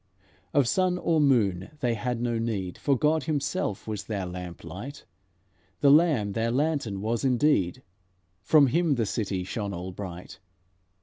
Of sun or moon they had no need; For God Himself was their lamp light, The Lamb their lantern was indeed; From Him the city shone all bright.